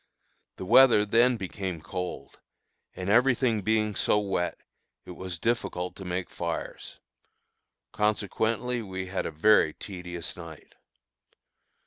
The weather then became cold, and every thing being so wet, it was difficult to make fires; consequently we had a very tedious night.